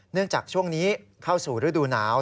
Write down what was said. จากช่วงนี้เข้าสู่ฤดูหนาว